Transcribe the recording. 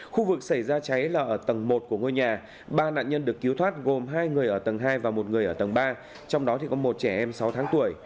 khu vực xảy ra cháy là ở tầng một của ngôi nhà ba nạn nhân được cứu thoát gồm hai người ở tầng hai và một người ở tầng ba trong đó có một trẻ em sáu tháng tuổi